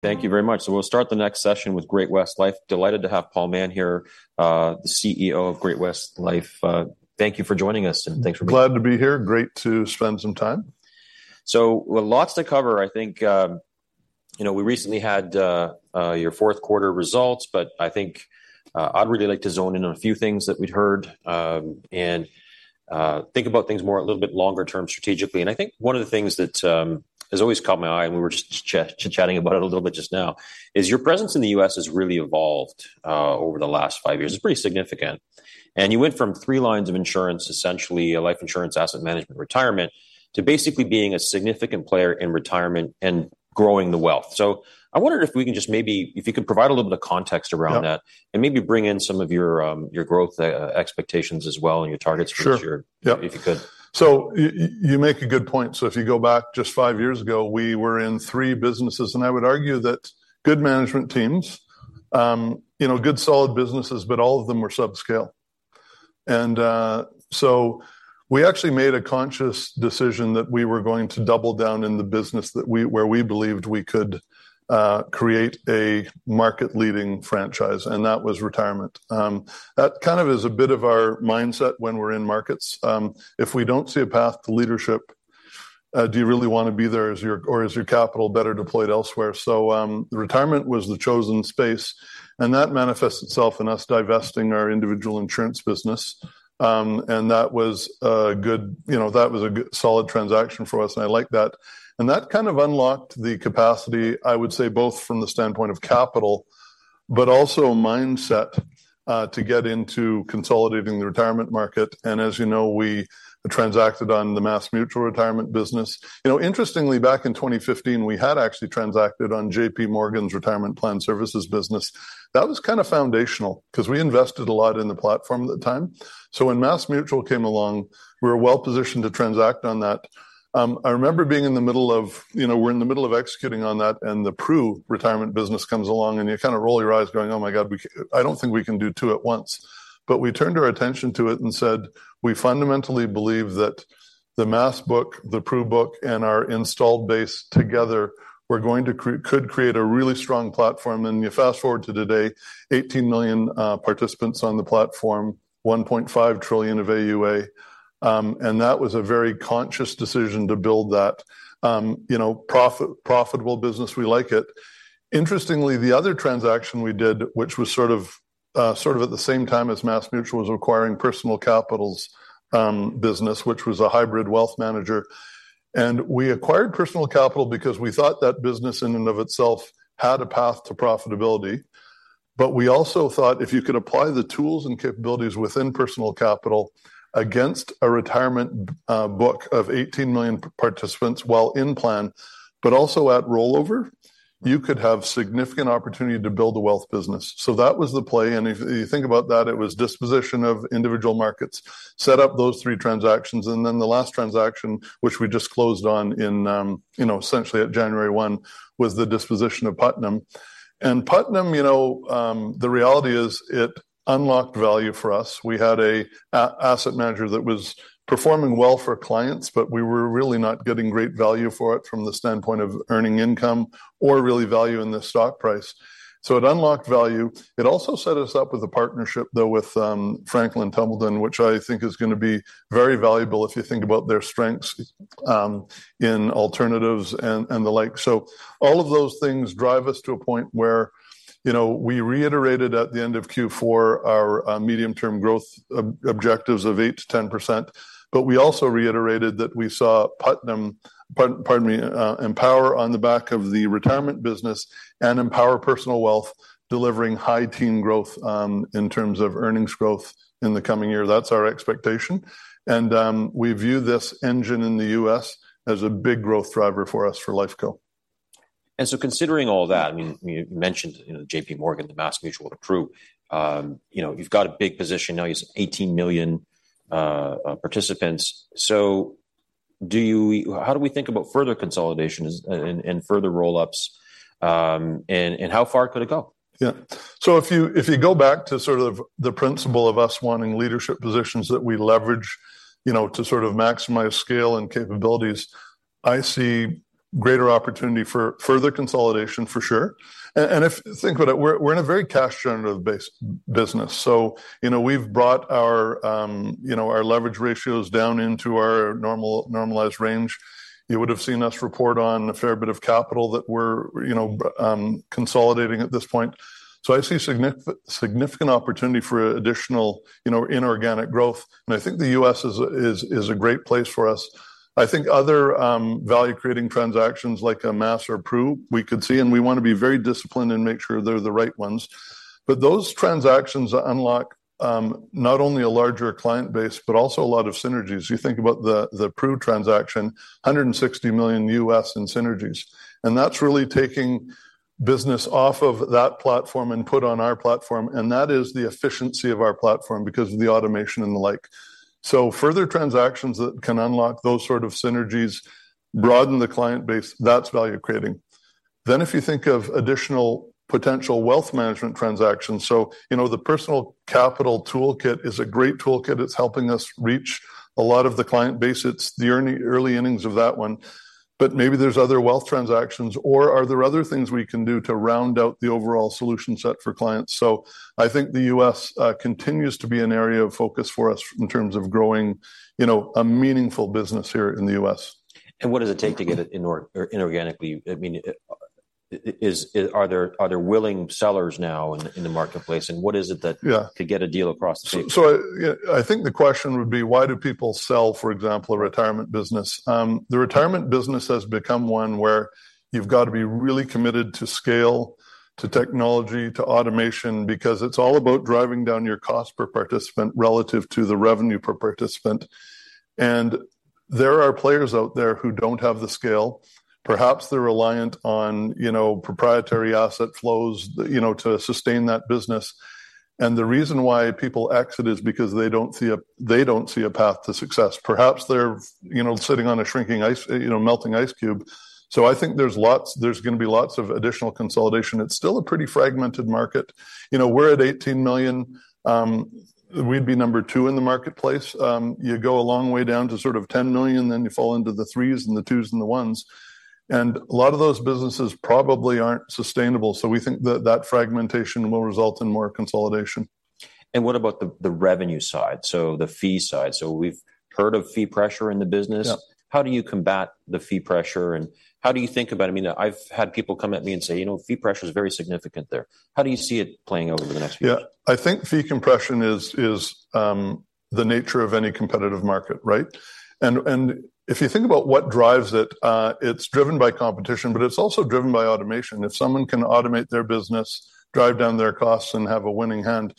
Thank you very much. So we'll start the next session with Great-West Life. Delighted to have Paul Mahon here, the CEO of Great-West Life. Thank you for joining us, and thanks for being- Glad to be here. Great to spend some time. So, well, lots to cover. I think, you know, we recently had your fourth quarter results, but I think, I'd really like to zone in on a few things that we'd heard, and think about things more a little bit longer term strategically. And I think one of the things that has always caught my eye, and we were just chatting about it a little bit just now, is your presence in the U.S. has really evolved, over the last five years. It's pretty significant. And you went from three lines of insurance, essentially, life insurance, asset management, retirement, to basically being a significant player in retirement and growing the wealth. So I wondered if we can just maybe, if you could provide a little bit of context around that. Yeah. -and maybe bring in some of your, your growth expectations as well, and your targets for this year. Sure. Yeah. If you could. You make a good point. So if you go back just five years ago, we were in three businesses, and I would argue that good management teams, you know, good, solid businesses, but all of them were subscale. So we actually made a conscious decision that we were going to double down in the business that we could create a market-leading franchise, and that was retirement. That kind of is a bit of our mindset when we're in markets. If we don't see a path to leadership, do you really want to be there as your or is your capital better deployed elsewhere? So the retirement was the chosen space, and that manifests itself in us divesting our individual insurance business. And that was a good, you know, that was a good solid transaction for us, and I like that. And that kind of unlocked the capacity, I would say, both from the standpoint of capital, but also mindset, to get into consolidating the retirement market. And as you know, we transacted on the MassMutual retirement business. You know, interestingly, back in 2015, we had actually transacted on J.P. Morgan's retirement plan services business. That was kind of foundational because we invested a lot in the platform at the time. So when MassMutual came along, we were well-positioned to transact on that. I remember being in the middle of, you know, we're in the middle of executing on that, and the Pru retirement business comes along, and you kind of roll your eyes going, "Oh, my God, I don't think we can do two at once." But we turned our attention to it and said, "We fundamentally believe that the Mass book, the Pru book, and our installed base together could create a really strong platform." And you fast forward to today, 18 million participants on the platform, $1.5 trillion of AUA, and that was a very conscious decision to build that, you know, profitable business. We like it. Interestingly, the other transaction we did, which was sort of, sort of at the same time as MassMutual, was acquiring Personal Capital's business, which was a hybrid wealth manager, and we acquired Personal Capital because we thought that business, in and of itself, had a path to profitability. But we also thought if you could apply the tools and capabilities within Personal Capital against a retirement book of 18 million participants while in plan, but also at rollover, you could have significant opportunity to build a wealth business. So that was the play, and if you think about that, it was disposition of individual markets, set up those three transactions, and then the last transaction, which we just closed on in, you know, essentially at January 1, was the disposition of Putnam. And Putnam, you know, the reality is it unlocked value for us. We had an asset manager that was performing well for clients, but we were really not getting great value for it from the standpoint of earning income or really value in the stock price. So it unlocked value. It also set us up with a partnership, though, with Franklin Templeton, which I think is gonna be very valuable if you think about their strengths in alternatives and the like. So all of those things drive us to a point where, you know, we reiterated at the end of Q4 our medium-term growth objectives of 8%-10%, but we also reiterated that we saw Putnam, pardon me, Empower on the back of the retirement business and Empower Personal Wealth, delivering high teen growth in terms of earnings growth in the coming year. That's our expectation. We view this engine in the U.S. as a big growth driver for us for Lifeco. Considering all that, I mean, you, you mentioned, you know, J.P. Morgan, the MassMutual, the Pru, you know, you've got a big position now, you said 18 million participants. So do you - how do we think about further consolidation, and further roll-ups, and how far could it go? Yeah. So if you go back to sort of the principle of us wanting leadership positions that we leverage, you know, to sort of maximize scale and capabilities, I see greater opportunity for further consolidation, for sure. And think about it, we're in a very cash-generative base business. So, you know, we've brought our, you know, our leverage ratios down into our normal, normalized range. You would have seen us report on a fair bit of capital that we're, you know, consolidating at this point. So I see significant opportunity for additional, you know, inorganic growth, and I think the U.S. is a great place for us. I think other, value-creating transactions, like a Mass or Pru, we could see, and we want to be very disciplined and make sure they're the right ones. But those transactions unlock not only a larger client base but also a lot of synergies. You think about the Pru transaction, $160 million in synergies, and that's really taking business off of that platform and put on our platform, and that is the efficiency of our platform because of the automation and the like. So further transactions that can unlock those sort of synergies, broaden the client base, that's value-creating. Then if you think of additional potential wealth management transactions, so, you know, the Personal Capital toolkit is a great toolkit. It's helping us reach a lot of the client base. It's the early innings of that one.... but maybe there's other wealth transactions, or are there other things we can do to round out the overall solution set for clients? I think the U.S., continues to be an area of focus for us in terms of growing, you know, a meaningful business here in the U.S. And what does it take to get it inorganically? I mean, are there willing sellers now in the marketplace, and what is it that- Yeah to get a deal across the table? So, yeah, I think the question would be, why do people sell, for example, a retirement business? The retirement business has become one where you've got to be really committed to scale, to technology, to automation, because it's all about driving down your cost per participant relative to the revenue per participant. And there are players out there who don't have the scale. Perhaps they're reliant on, you know, proprietary asset flows, you know, to sustain that business. And the reason why people exit is because they don't see a path to success. Perhaps they're, you know, sitting on a shrinking ice, you know, melting ice cube. So I think there's gonna be lots of additional consolidation. It's still a pretty fragmented market. You know, we're at 18 million. We'd be number two in the marketplace. You go a long way down to sort of 10 million, then you fall into the 3s and the 2s and the 1s. A lot of those businesses probably aren't sustainable, so we think that that fragmentation will result in more consolidation. What about the revenue side? The fee side. We've heard of fee pressure in the business. Yeah. How do you combat the fee pressure, and how do you think about it? I mean, I've had people come at me and say: "You know, fee pressure is very significant there." How do you see it playing out over the next few years? Yeah. I think fee compression is the nature of any competitive market, right? And if you think about what drives it, it's driven by competition, but it's also driven by automation. If someone can automate their business, drive down their costs, and have a winning hand.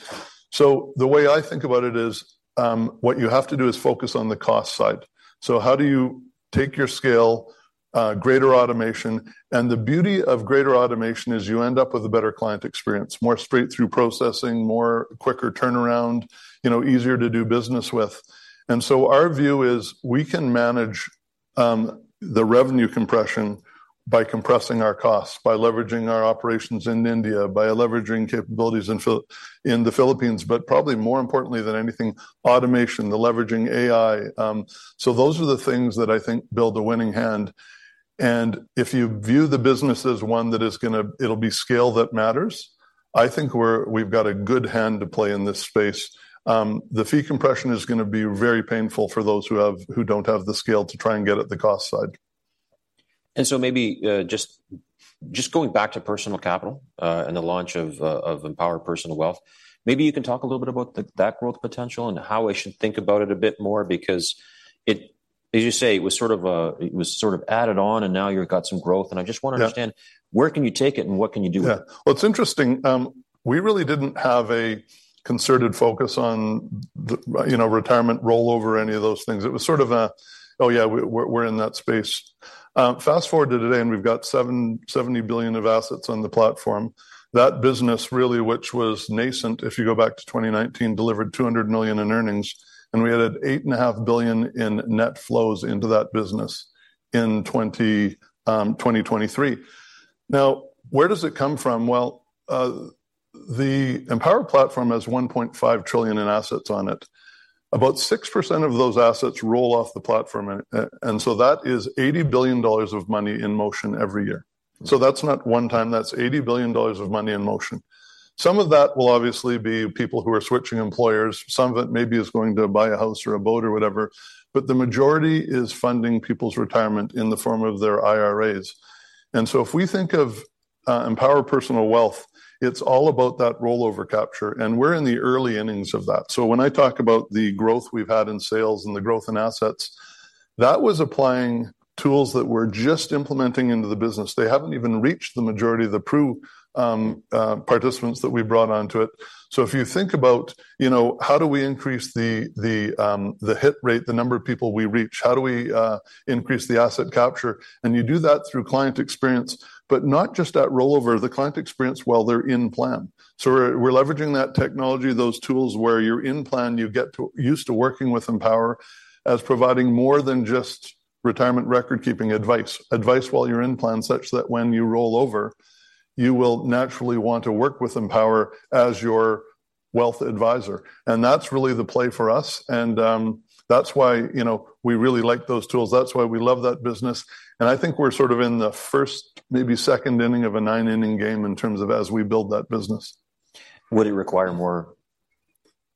So the way I think about it is, what you have to do is focus on the cost side. So how do you take your scale, greater automation? And the beauty of greater automation is you end up with a better client experience, more straight-through processing, more quicker turnaround, you know, easier to do business with. And so our view is we can manage the revenue compression by compressing our costs, by leveraging our operations in India, by leveraging capabilities in the Philippines, but probably more importantly than anything, automation, the leveraging AI. So those are the things that I think build a winning hand. And if you view the business as one that is gonna... it'll be scale that matters, I think we've got a good hand to play in this space. The fee compression is gonna be very painful for those who don't have the scale to try and get at the cost side. And so maybe, just, just going back to Personal Capital, and the launch of, of Empower Personal Wealth, maybe you can talk a little bit about that growth potential and how I should think about it a bit more because it, as you say, it was sort of a, it was sort of added on, and now you've got some growth. Yeah. I just want to understand, where can you take it, and what can you do with it? Yeah. Well, it's interesting. We really didn't have a concerted focus on the, you know, retirement rollover, any of those things. It was sort of a, oh, yeah, we're, we're in that space. Fast-forward to today, and we've got $770 billion of assets on the platform. That business really, which was nascent, if you go back to 2019, delivered $200 million in earnings, and we added $8.5 billion in net flows into that business in 2023. Now, where does it come from? Well, the Empower platform has $1.5 trillion in assets on it. About 6% of those assets roll off the platform, and, and so that is $80 billion of money in motion every year. So that's not one time. That's $80 billion of money in motion. Some of that will obviously be people who are switching employers. Some of it maybe is going to buy a house or a boat or whatever, but the majority is funding people's retirement in the form of their IRAs. And so if we think of Empower Personal Wealth, it's all about that rollover capture, and we're in the early innings of that. So when I talk about the growth we've had in sales and the growth in assets, that was applying tools that we're just implementing into the business. They haven't even reached the majority of the Pru participants that we brought onto it. So if you think about, you know, how do we increase the hit rate, the number of people we reach? How do we increase the asset capture? And you do that through client experience, but not just at rollover, the client experience while they're in plan. So we're leveraging that technology, those tools, where you're in plan, you get used to working with Empower as providing more than just retirement record-keeping advice. Advice while you're in plan, such that when you roll over, you will naturally want to work with Empower as your wealth advisor. And that's really the play for us, and that's why, you know, we really like those tools. That's why we love that business. And I think we're sort of in the first, maybe second inning of a nine-inning game in terms of as we build that business. Would it require more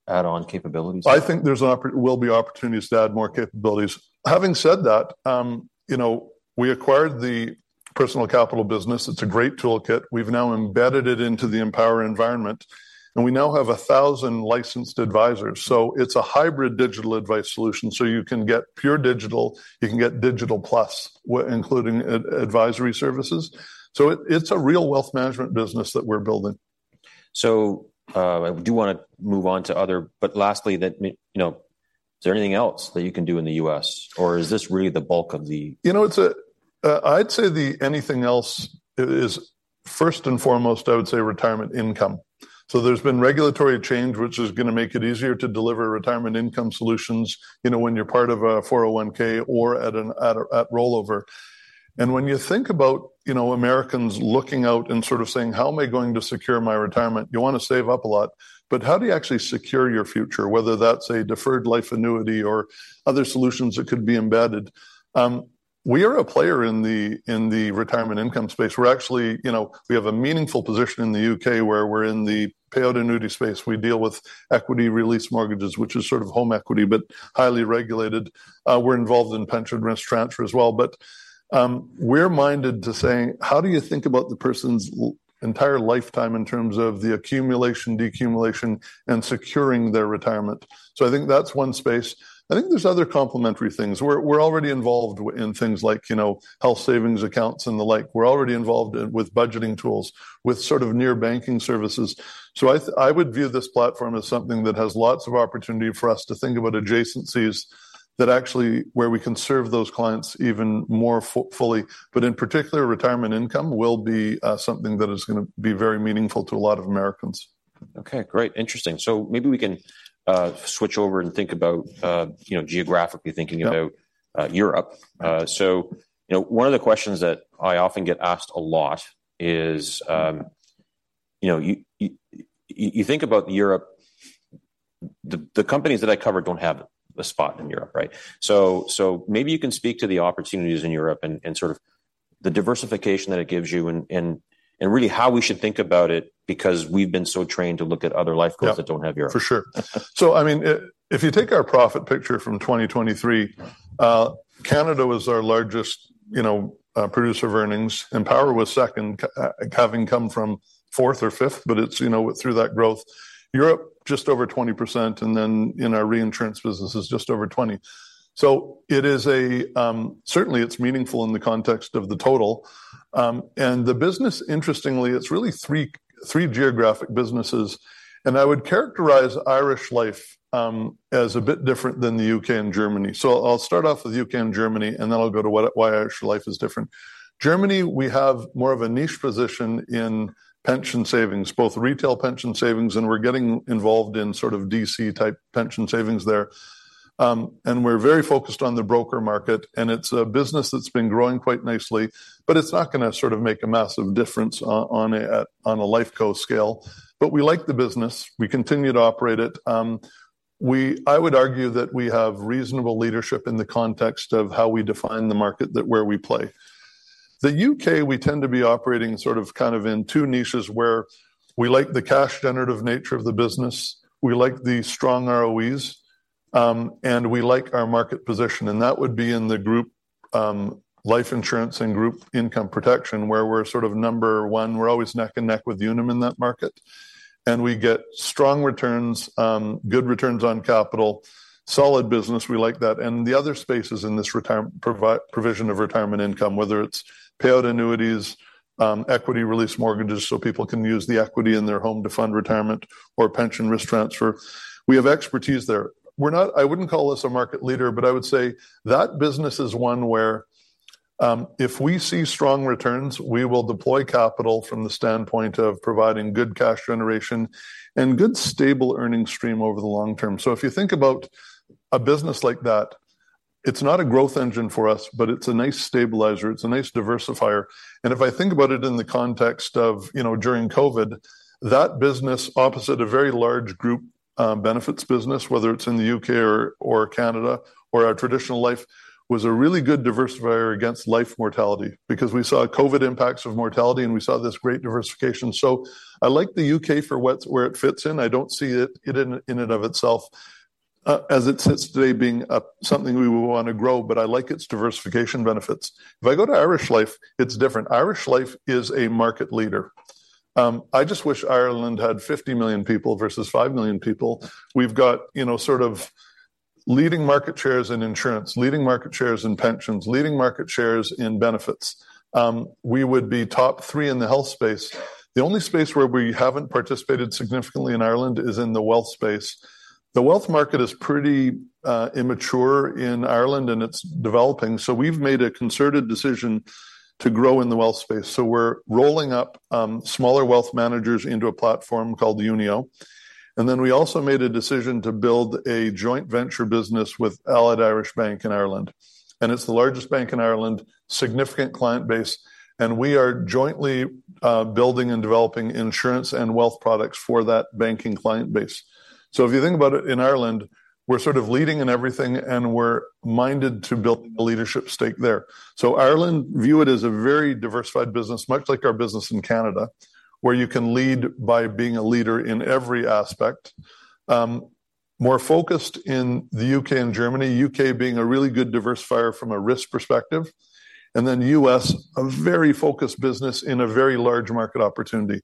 add-on capabilities? I think there will be opportunities to add more capabilities. Having said that, you know, we acquired the Personal Capital business. It's a great toolkit. We've now embedded it into the Empower environment, and we now have 1,000 licensed advisors, so it's a hybrid digital advice solution, so you can get pure digital, you can get digital plus, including advisory services. So it's a real wealth management business that we're building. So, I do wanna move on to other-- but lastly, that, you know, is there anything else that you can do in the U.S., or is this really the bulk of the- You know, it's a, I'd say the anything else is first and foremost, I would say, retirement income. So there's been regulatory change, which is gonna make it easier to deliver retirement income solutions, you know, when you're part of a 401 or at a rollover. And when you think about, you know, Americans looking out and sort of saying: How am I going to secure my retirement? You wanna save up a lot, but how do you actually secure your future, whether that's a deferred life annuity or other solutions that could be embedded? We are a player in the retirement income space. We're actually, you know, we have a meaningful position in the UK, where we're in the payout annuity space. We deal with equity release mortgages, which is sort of home equity, but highly regulated. We're involved in pension risk transfer as well. But, we're minded to saying: How do you think about the person's entire lifetime in terms of the accumulation, decumulation, and securing their retirement? So I think that's one space. I think there's other complementary things. We're already involved in things like, you know, health savings accounts and the like. We're already involved in, with budgeting tools, with sort of near banking services. So I would view this platform as something that has lots of opportunity for us to think about adjacencies that actually, where we can serve those clients even more fully. But in particular, retirement income will be, something that is gonna be very meaningful to a lot of Americans. Okay, great. Interesting. So maybe we can switch over and think about, you know, geographically thinking about- Yep... Europe. Right. So, you know, one of the questions that I often get asked a lot is, you know, you think about Europe, the companies that I cover don't have a spot in Europe, right? So maybe you can speak to the opportunities in Europe and sort of the diversification that it gives you and really how we should think about it because we've been so trained to look at other life goals- Yeah... that don't have Europe. For sure. So, I mean, if you take our profit picture from 2023, Canada was our largest, you know, producer of earnings, and Empower was second, having come from fourth or fifth, but it's, you know, through that growth. Europe, just over 20%, and then in our reinsurance business is just over 20. So it is certainly it's meaningful in the context of the total. And the business, interestingly, it's really three geographic businesses, and I would characterize Irish Life as a bit different than the U.K. and Germany. So I'll start off with U.K. and Germany, and then I'll go to what, why Irish Life is different. Germany, we have more of a niche position in pension savings, both retail pension savings, and we're getting involved in sort of DC-type pension savings there. We're very focused on the broker market, and it's a business that's been growing quite nicely, but it's not gonna sort of make a massive difference on a Life Co. scale. But we like the business. We continue to operate it. I would argue that we have reasonable leadership in the context of how we define the market that where we play. The UK, we tend to be operating sort of kind of in two niches, where we like the cash-generative nature of the business, we like the strong ROEs, and we like our market position, and that would be in the group life insurance and group income protection, where we're sort of number one. We're always neck and neck with Unum in that market, and we get strong returns, good returns on capital, solid business. We like that. And the other spaces in this retirement provision of retirement income, whether it's payout annuities, equity release mortgages, so people can use the equity in their home to fund retirement or pension risk transfer. We have expertise there. We're not, I wouldn't call this a market leader, but I would say that business is one where, if we see strong returns, we will deploy capital from the standpoint of providing good cash generation and good, stable earning stream over the long term. So if you think about a business like that, it's not a growth engine for us, but it's a nice stabilizer, it's a nice diversifier. If I think about it in the context of, you know, during COVID, that business opposite a very large group benefits business, whether it's in the U.K. or Canada, or our traditional life, was a really good diversifier against life mortality because we saw COVID impacts of mortality, and we saw this great diversification. So I like the U.K. for what, where it fits in. I don't see it in and of itself, as it sits today, being up something we would want to grow, but I like its diversification benefits. If I go to Irish Life, it's different. Irish Life is a market leader. I just wish Ireland had 50 million people versus five million people. We've got, you know, sort of leading market shares in insurance, leading market shares in pensions, leading market shares in benefits. We would be top three in the health space. The only space where we haven't participated significantly in Ireland is in the wealth space. The wealth market is pretty immature in Ireland, and it's developing, so we've made a concerted decision to grow in the wealth space. So we're rolling up smaller wealth managers into a platform called Unio. And then we also made a decision to build a joint venture business with Allied Irish Bank in Ireland, and it's the largest bank in Ireland, significant client base, and we are jointly building and developing insurance and wealth products for that banking client base. So if you think about it, in Ireland, we're sort of leading in everything, and we're minded to build a leadership stake there. So Ireland, view it as a very diversified business, much like our business in Canada, where you can lead by being a leader in every aspect. More focused in the U.K. and Germany, U.K. being a really good diversifier from a risk perspective, and then U.S., a very focused business in a very large market opportunity.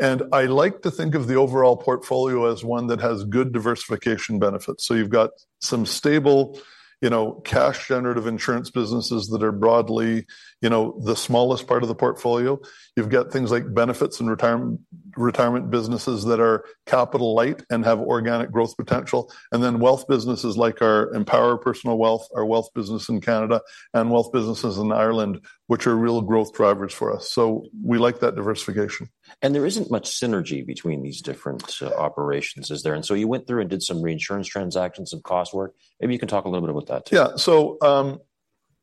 And I like to think of the overall portfolio as one that has good diversification benefits. So you've got some stable, you know, cash-generative insurance businesses that are broadly, you know, the smallest part of the portfolio. You've got things like benefits and retirement, retirement businesses that are capital light and have organic growth potential, and then wealth businesses like our Empower Personal Wealth, our wealth business in Canada, and wealth businesses in Ireland, which are real growth drivers for us. So we like that diversification. And there isn't much synergy between these different operations, is there? And so you went through and did some reinsurance transactions and cost work. Maybe you can talk a little bit about that, too. Yeah. So,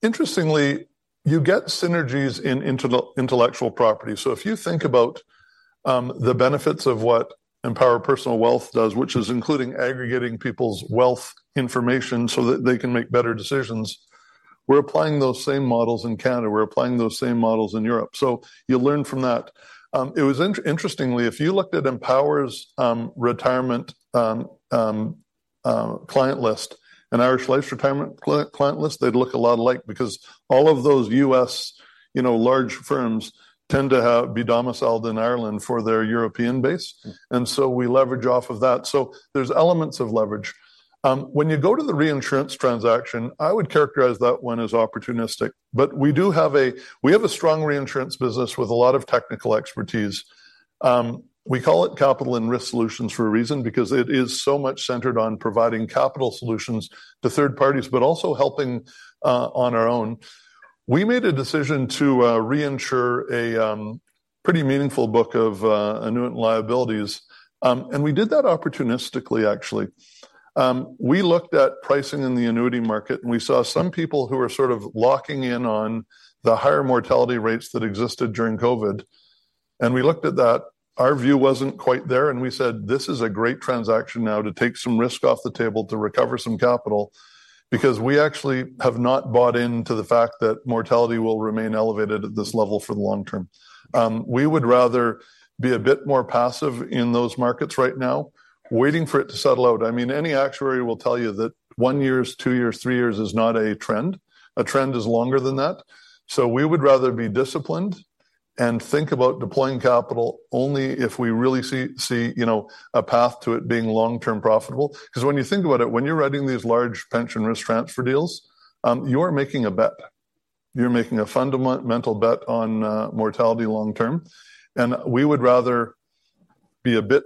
interestingly, you get synergies in intellectual property. So if you think about the benefits of what Empower Personal Wealth does, which is including aggregating people's wealth information so that they can make better decisions, we're applying those same models in Canada. We're applying those same models in Europe. So you learn from that. Interestingly, if you looked at Empower's retirement client list and Irish Life retirement client list, they'd look a lot alike because all of those U.S., you know, large firms tend to have, be domiciled in Ireland for their European base, and so we leverage off of that. So there's elements of leverage. When you go to the reinsurance transaction, I would characterize that one as opportunistic, but we do have a strong reinsurance business with a lot of technical expertise. We call it Capital and Risk Solutions for a reason, because it is so much centered on providing capital solutions to third parties, but also helping on our own. We made a decision to reinsure a pretty meaningful book of annuitant liabilities. And we did that opportunistically, actually. We looked at pricing in the annuity market, and we saw some people who were sort of locking in on the higher mortality rates that existed during COVID. And we looked at that. Our view wasn't quite there, and we said, "This is a great transaction now to take some risk off the table to recover some capital, because we actually have not bought into the fact that mortality will remain elevated at this level for the long term." We would rather be a bit more passive in those markets right now, waiting for it to settle out. I mean, any actuary will tell you that one year, two years, three years is not a trend. A trend is longer than that. So we would rather be disciplined and think about deploying capital only if we really see you know, a path to it being long-term profitable. Because when you think about it, when you're writing these large pension risk transfer deals, you're making a bet. You're making a fundamental bet on mortality long term, and we would rather be a bit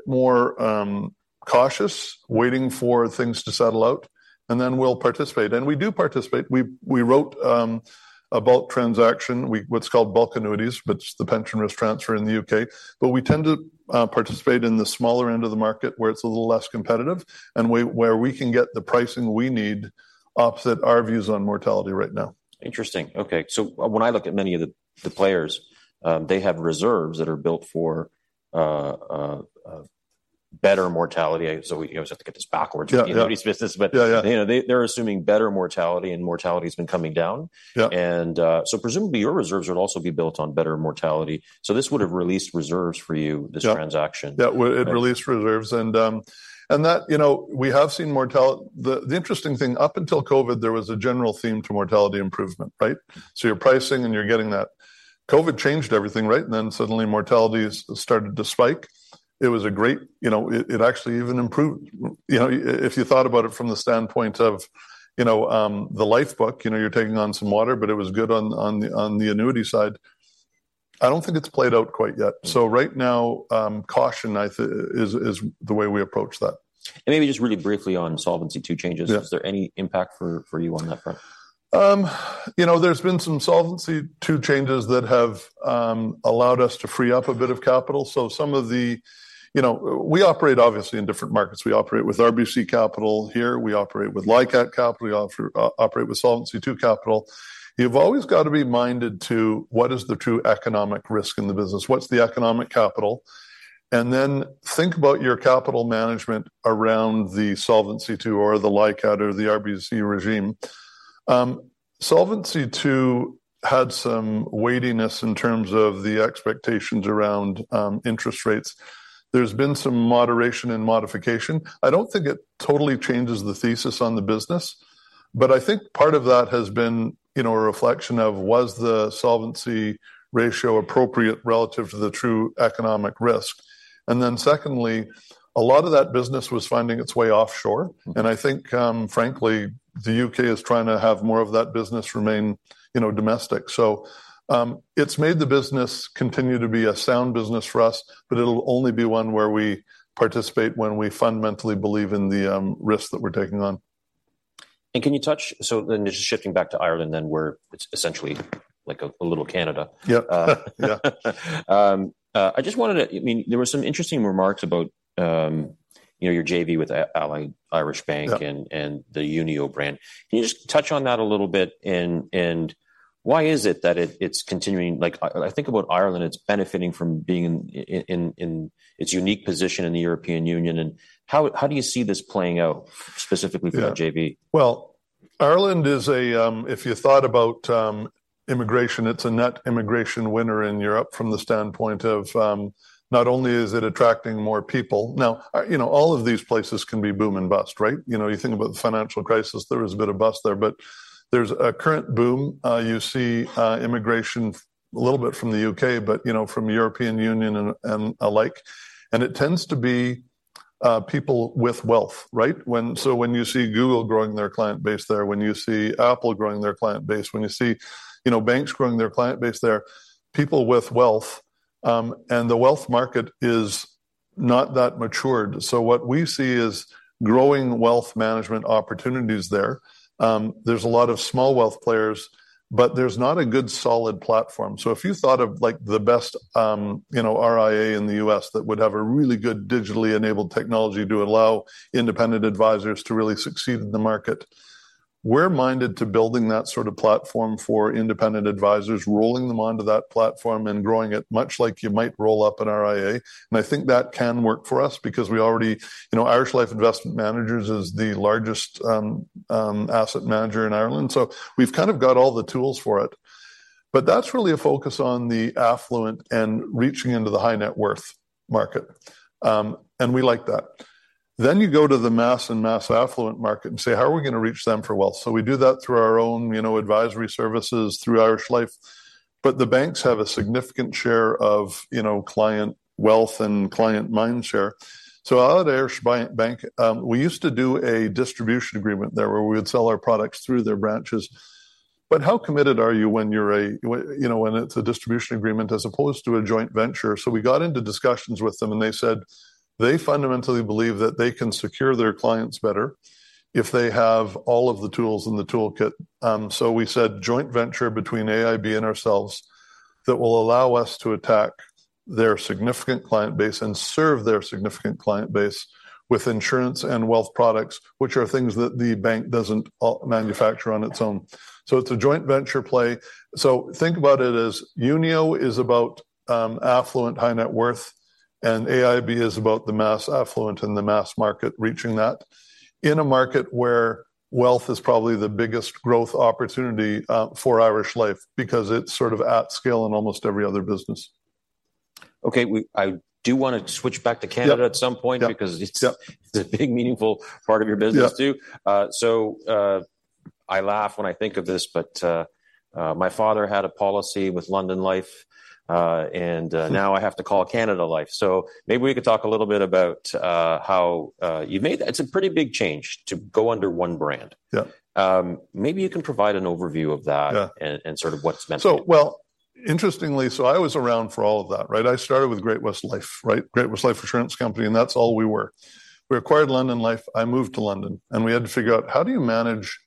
more cautious, waiting for things to settle out, and then we'll participate. And we do participate. We wrote a bulk transaction, what's called bulk annuities, but the pension risk transfer in the U.K. But we tend to participate in the smaller end of the market, where it's a little less competitive and where we can get the pricing we need opposite our views on mortality right now. Interesting. Okay. So when I look at many of the players, they have reserves that are built for better mortality. So we always have to get this backwards- Yeah, yeah in the annuities business. Yeah, yeah. You know, they, they're assuming better mortality, and mortality's been coming down. Yeah. So presumably your reserves would also be built on better mortality. So this would have released reserves for you- Yeah this transaction. Yeah. It released reserves and, and that, you know, we have seen mortality. The interesting thing, up until COVID, there was a general theme to mortality improvement, right? So you're pricing, and you're getting that. COVID changed everything, right? And then suddenly, mortality started to spike. It was a great. You know, it actually even improved. You know, if you thought about it from the standpoint of, you know, the life book, you know, you're taking on some water, but it was good on the annuity side. I don't think it's played out quite yet. So right now, caution, I think, is the way we approach that. Maybe just really briefly on Solvency II changes. Yeah. Is there any impact for you on that front? You know, there's been some Solvency II changes that have allowed us to free up a bit of capital. So some of the... You know, we operate obviously in different markets. We operate with RBC capital here. We operate with LICAT capital. We operate with Solvency II capital. You've always got to be minded to what is the true economic risk in the business, what's the economic capital? And then think about your capital management around the Solvency II or the LICAT or the RBC regime. Solvency II had some weightiness in terms of the expectations around interest rates. There's been some moderation and modification. I don't think it totally changes the thesis on the business, but I think part of that has been, you know, a reflection of was the solvency ratio appropriate relative to the true economic risk? And then secondly, a lot of that business was finding its way offshore, and I think, frankly, the U.K. is trying to have more of that business remain, you know, domestic. So, it's made the business continue to be a sound business for us, but it'll only be one where we participate when we fundamentally believe in the, risk that we're taking on. And can you touch... So then just shifting back to Ireland then, where it's essentially like a little Canada. Yeah. Yeah. I just wanted to... I mean, there were some interesting remarks about, you know, your JV with Allied Irish Bank- Yeah And the Unio brand. Can you just touch on that a little bit, and why is it that it, it's continuing? Like, I think about Ireland, it's benefiting from being in its unique position in the European Union, and how do you see this playing out specifically- Yeah For the JV? Well, Ireland is a, if you thought about immigration, it's a net immigration winner in Europe from the standpoint of not only is it attracting more people. Now, you know, all of these places can be boom and bust, right? You know, you think about the financial crisis, there was a bit of bust there, but there's a current boom. You see immigration a little bit from the U.K., but, you know, from European Union and alike, and it tends to be people with wealth, right? So when you see Google growing their client base there, when you see Apple growing their client base, when you see, you know, banks growing their client base there, people with wealth, and the wealth market is not that matured. So what we see is growing wealth management opportunities there. There's a lot of small wealth players, but there's not a good, solid platform. So if you thought of, like, the best, you know, RIA in the U.S., that would have a really good digitally enabled technology to allow independent advisors to really succeed in the market—we're minded to building that sort of platform for independent advisors, rolling them onto that platform and growing it, much like you might roll up an RIA. And I think that can work for us because we already, you know, Irish Life Investment Managers is the largest asset manager in Ireland, so we've kind of got all the tools for it. But that's really a focus on the affluent and reaching into the high net worth market. And we like that. Then you go to the mass and mass affluent market and say: How are we gonna reach them for wealth? So we do that through our own, you know, advisory services through Irish Life. But the banks have a significant share of, you know, client wealth and client mindshare. So out of AIB, we used to do a distribution agreement there, where we would sell our products through their branches. But how committed are you when you're a, you know, when it's a distribution agreement as opposed to a joint venture? So we got into discussions with them, and they said they fundamentally believe that they can secure their clients better if they have all of the tools in the toolkit. So we said joint venture between AIB and ourselves that will allow us to attack their significant client base and serve their significant client base with insurance and wealth products, which are things that the bank doesn't manufacture on its own. So it's a joint venture play. So think about it as Unio is about affluent, high net worth, and AIB is about the mass affluent and the mass market, reaching that in a market where wealth is probably the biggest growth opportunity for Irish Life because it's sort of at scale in almost every other business. Okay, I do wanna switch back to Canada. Yep. At some point. Yep. - because it's a big, meaningful part of your business too. Yep. So, I laugh when I think of this, but my father had a policy with London Life, and now I have to call Canada Life. So maybe we could talk a little bit about how you made that. It's a pretty big change to go under one brand. Yep. Maybe you can provide an overview of that? Yeah... and sort of what's meant to do. So, well, interestingly, so I was around for all of that, right? I started with Great-West Life, right? Great-West Life Assurance Company, and that's all we were. We acquired London Life. I moved to London, and we had to figure out: How do you manage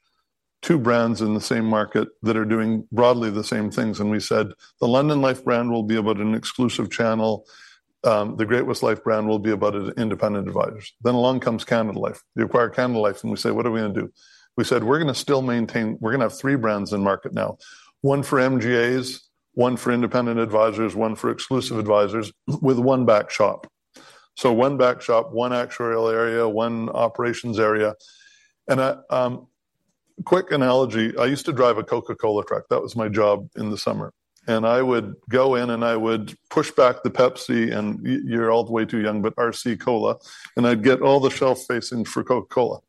two brands in the same market that are doing broadly the same things? And we said the London Life brand will be about an exclusive channel. The Great-West Life brand will be about independent advisors. Then along comes Canada Life. We acquire Canada Life, and we say: What are we gonna do? We said, "We're gonna still maintain... We're gonna have three brands in market now, one for MGAs, one for independent advisors, one for exclusive advisors, with one back shop." So one back shop, one actuarial area, one operations area. And a quick analogy, I used to drive a Coca-Cola truck. That was my job in the summer, and I would go in, and I would push back the Pepsi and you're all way too young, but RC Cola, and I'd get all the shelf space in for Coca-Cola.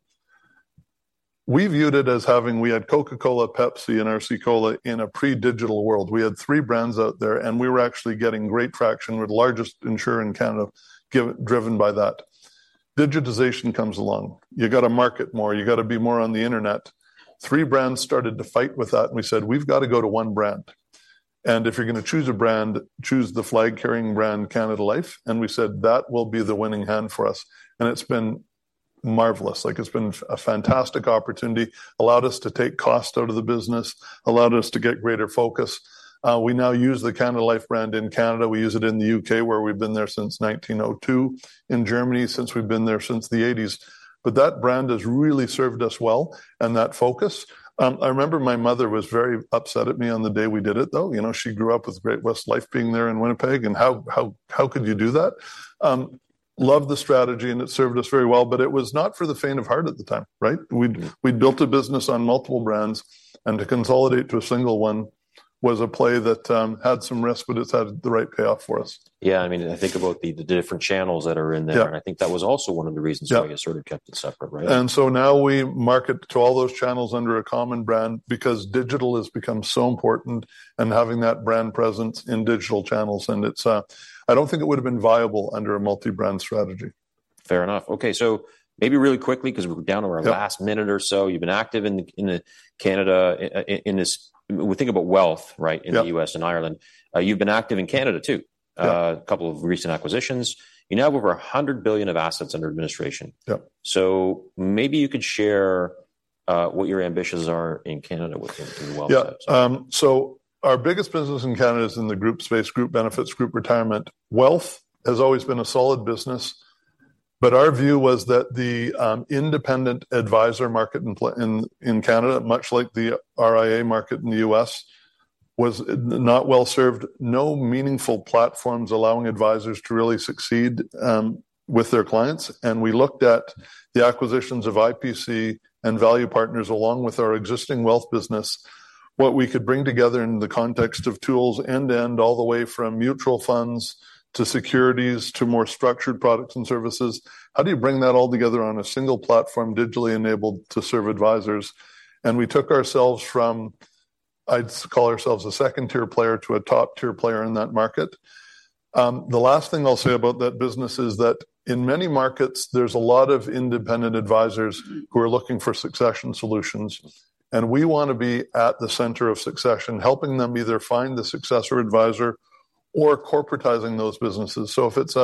We viewed it as having... We had Coca-Cola, Pepsi, and RC Cola in a pre-digital world. We had three brands out there, and we were actually getting great traction. We're the largest insurer in Canada, driven by that. Digitization comes along. You've got to market more. You've got to be more on the internet. Three brands started to fight with that, and we said, "We've got to go to one brand, and if you're gonna choose a brand, choose the flag-carrying brand, Canada Life." And we said, "That will be the winning hand for us." And it's been marvelous. Like, it's been a fantastic opportunity, allowed us to take cost out of the business, allowed us to get greater focus. We now use the Canada Life brand in Canada. We use it in the U.K., where we've been there since 1902, in Germany, since we've been there since the 1980s. But that brand has really served us well and that focus. I remember my mother was very upset at me on the day we did it, though. You know, she grew up with Great-West Life being there in Winnipeg, and how could you do that? Loved the strategy, and it served us very well, but it was not for the faint of heart at the time, right? We'd built a business on multiple brands, and to consolidate to a single one was a play that had some risk, but it's had the right payoff for us. Yeah, I mean, I think about the different channels that are in there. Yeah. I think that was also one of the reasons. Yeah Why you sort of kept it separate, right? And so now we market to all those channels under a common brand because digital has become so important and having that brand presence in digital channels, and it's, I don't think it would've been viable under a multi-brand strategy. Fair enough. Okay, so maybe really quickly, 'cause we're down to our- Yep last minute or so. You've been active in Canada, in this... We think about wealth, right? Yep In the U.S. and Ireland. You've been active in Canada, too. Yep. A couple of recent acquisitions. You now have over 100 billion of assets under administration. Yep. Maybe you could share what your ambitions are in Canada within the wealth space? Yeah, so our biggest business in Canada is in the group space, group benefits, group retirement. Wealth has always been a solid business, but our view was that the independent advisor market in Canada, much like the RIA market in the U.S., was not well served. No meaningful platforms allowing advisors to really succeed with their clients. And we looked at the acquisitions of IPC and Value Partners, along with our existing wealth business, what we could bring together in the context of tools end-to-end, all the way from mutual funds to securities to more structured products and services. How do you bring that all together on a single platform, digitally enabled to serve advisors? And we took ourselves from, I'd call ourselves a second-tier player to a top-tier player in that market. The last thing I'll say about that business is that in many markets, there's a lot of independent advisors who are looking for succession solutions, and we wanna be at the center of succession, helping them either find the successor advisor or corporatizing those businesses. So if it's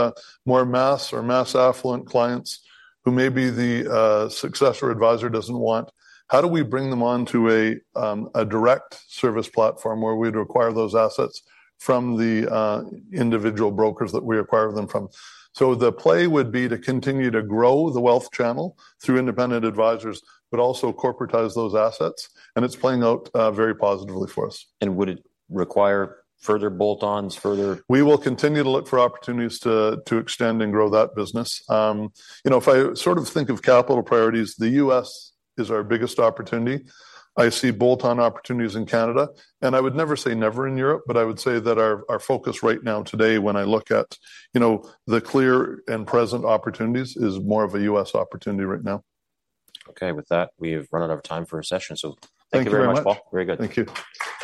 more mass or mass affluent clients who maybe the successor advisor doesn't want, how do we bring them onto a direct service platform where we'd acquire those assets from the individual brokers that we acquire them from? So the play would be to continue to grow the wealth channel through independent advisors but also corporatize those assets, and it's playing out very positively for us. Would it require further bolt-ons, further- We will continue to look for opportunities to extend and grow that business. You know, if I sort of think of capital priorities, the U.S. is our biggest opportunity. I see bolt-on opportunities in Canada, and I would never say never in Europe, but I would say that our focus right now today when I look at, you know, the clear and present opportunities is more of a U.S. opportunity right now. Okay. With that, we have run out of time for our session, so- Thank you very much.... thank you very much, Paul. Very good. Thank you.